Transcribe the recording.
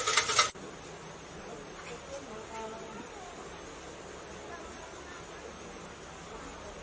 โปรดติดตามตอนต่อไป